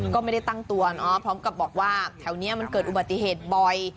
ก็ไม่ได้ตั้งตัวเนาะพร้อมกับบอกว่าแถวนี้มันเกิดอุบัติเหตุบ่อย